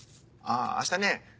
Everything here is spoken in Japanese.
あ明日ね